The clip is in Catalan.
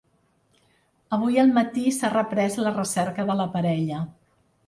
Avui al matí s’ha reprès la recerca de la parella.